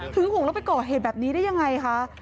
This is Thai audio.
ห่วงแล้วไปก่อเหตุแบบนี้ได้ยังไงคะ